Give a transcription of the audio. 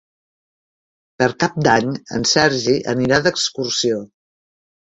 Per Cap d'Any en Sergi anirà d'excursió.